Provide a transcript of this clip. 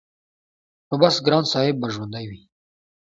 نو بس ګران صاحب به ژوندی وي-